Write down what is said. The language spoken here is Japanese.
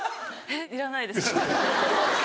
いらないです。